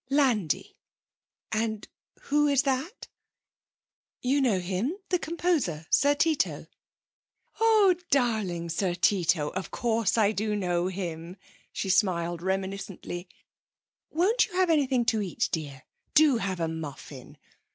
'Landi? And who is that?' 'You know him the composer Sir Tito.' 'Oh, darling Sir Tito! Of course I do know him!' She smiled reminiscently. 'Won't you have anything to eat, dear? Do have a muffin!